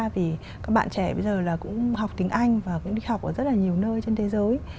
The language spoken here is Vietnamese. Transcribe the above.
vì các bạn trẻ bây giờ là cũng học tiếng anh và cũng đi học ở rất là nhiều nơi trên thế giới